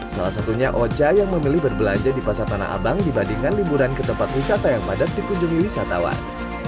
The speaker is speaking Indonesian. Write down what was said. salah satunya oca yang memilih berbelanja di pasar tanah abang dibandingkan liburan ke tempat wisata yang padat dikunjungi wisatawan